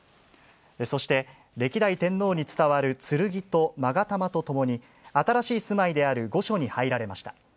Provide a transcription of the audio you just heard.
そして、歴代天皇に伝わる剣とまが玉とともに、新しい住まいである御所に入られました。